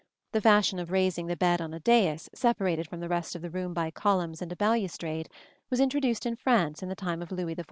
The fashion of raising the bed on a dais separated from the rest of the room by columns and a balustrade was introduced in France in the time of Louis XIV.